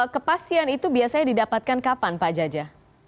kepastian itu biasanya didapatkan kapan pak jaja